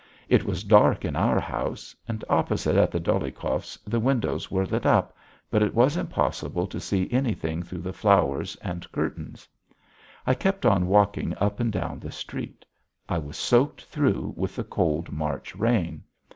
It was dark in our house and opposite, at the Dolyhikovs' the windows were lit up, but it was impossible to see anything through the flowers and curtains. I kept on walking up and down the street; I was soaked through with the cold March rain.